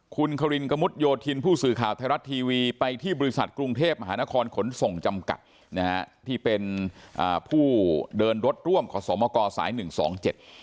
คุณครินกระมุดโยธินผู้สื่อข่าวไทยรัฐทีวีไปที่บริษัทกรุงเทพมหานครขนส่งจำกัดนะฮะที่เป็นอ่าผู้เดินรถร่วมขอสมกสายหนึ่งสองเจ็ด